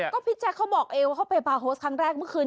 ก็พี่แจ๊คเขาบอกเองว่าเขาไปบาร์โฮสครั้งแรกเมื่อคืน